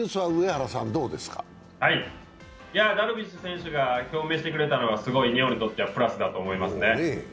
ダルビッシュ選手が表明してくれたのは日本にとってはプラスだと思いますね。